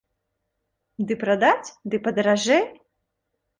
Ды прадаць, ды падаражэй?